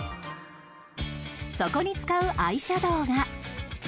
そこに使うアイシャドウが